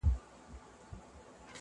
له مړاني څخه خلاص قام د کارګانو!!